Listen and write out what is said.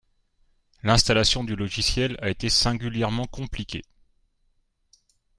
L'installation du logiciel a été singulièrement compliquée